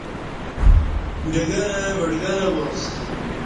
ڈگہ رہ بڈگہ رہ واس